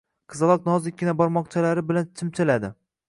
Qizaloq nozikkina barmoqchalari bilan chimchiladi.